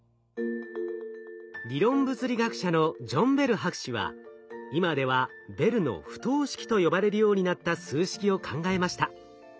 理論物理学者のジョン・ベル博士は今では「ベルの不等式」と呼ばれるようになった数式を考えました。